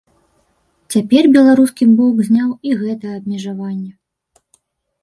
Цяпер беларускі бок зняў і гэтае абмежаванне.